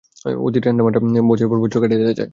অতি ঠান্ডা তাপমাত্রায়, বছরের পর বছর কাটিয়ে দেয়া যায়।